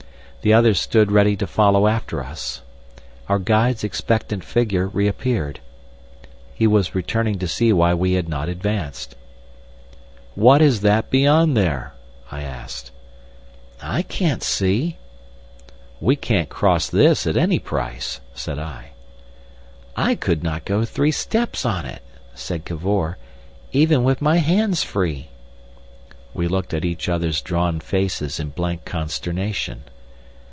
The others stood ready to follow after us. Our guide's expectant figure reappeared. He was returning to see why we had not advanced. "What is that beyond there?" I asked. "I can't see." "We can't cross this at any price," said I. "I could not go three steps on it," said Cavor, "even with my hands free." We looked at each other's drawn faces in blank consternation.